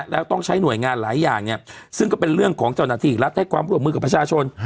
แล้วต้องใช้หน่วยงานหลายอย่างเนี่ยซึ่งก็เป็นเรื่องของเจ้าหน้าที่รัฐให้ความร่วมมือกับประชาชน